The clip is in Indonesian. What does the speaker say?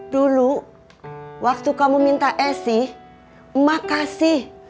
dulu waktu kamu minta esi emak kasih